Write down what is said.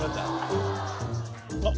あっ。